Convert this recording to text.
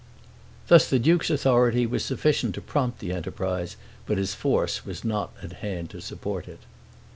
Thus the duke's authority was sufficient to prompt the enterprise, but his force was not at hand to support it.